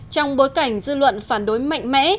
trong bối cảnh dư luận phản đối mạnh mẽ